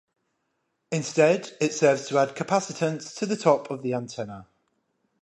Instead it serves to add capacitance to the top of the antenna.